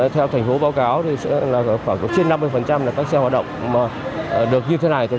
theo thành phố báo cáo thì khoảng trên năm mươi các xe hoạt động được như thế này